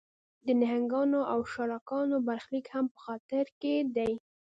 د نهنګانو او شارکانو برخلیک هم په خطر کې دی.